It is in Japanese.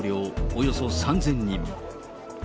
およそ３０００人。